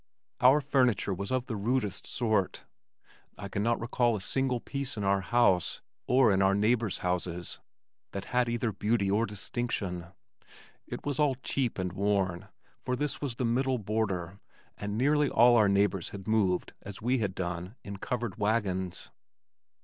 Our furniture was of the rudest sort. I cannot recall a single piece in our house or in our neighbors' houses that had either beauty or distinction. It was all cheap and worn, for this was the middle border, and nearly all our neighbors had moved as we had done in covered wagons.